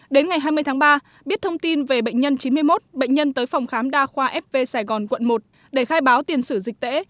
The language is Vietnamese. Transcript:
đến ngày hai mươi tháng ba biết thông tin về bệnh nhân chín mươi một bệnh nhân tới phòng khám đa khoa fv sài gòn quận một để khai báo tiền sử dịch tễ